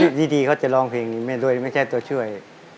แล้วอยู่ดีเค้าจะร้องเพลงนี้ไม่ใช่ตัวช่วย